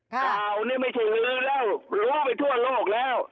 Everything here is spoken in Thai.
ข่าวนี้ไม่ถือแล้วรู้ไปทั่วโลกแล้ว